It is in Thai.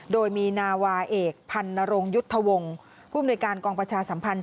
โดยมีนาวาเอกพันนรงยุทธวงศ์ผู้อำนวยการกองประชาสัมพันธ์